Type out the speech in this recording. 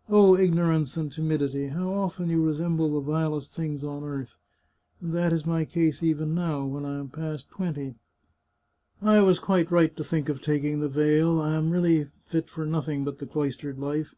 ... Oh, ignorance and timid ity, how often you resemble the vilest things on earth! And that is my case even now, when I am past twenty. ... I was quite right to think of taking the veil — I am really fit for nothing but the cloistered life.